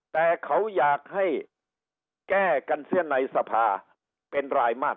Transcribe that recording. แต่เขาอยากให้แก้กันเสียในสภาเป็นรายมาก